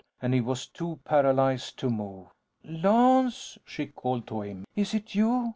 And he was too paralyzed to move. "Lance?" she called to him. "Is it you?